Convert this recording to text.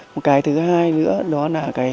một cái thứ hai nữa đó là cái